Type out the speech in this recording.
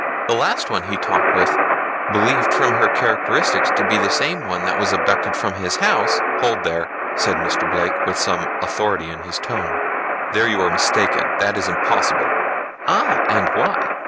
The last one he talked with, believed from her characteristics to be the same one that was abducted from his house " "Hold there," said Mr. Blake with some authority in his tone, "there you are mistaken; that is impossible." "Ah, and why?"